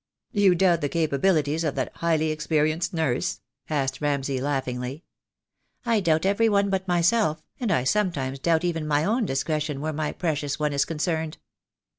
"Do you doubt the capabilities of that highly ex perienced nurse?" asked Ramsay laughingly. "I doubt every one but myself, and I sometimes doubt even my own discretion where my precious one is concerned."